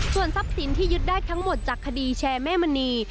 ส่วนทรัพย์สินที่ยึดได้ทั้งหมดจากคดีแชร์แม่มณี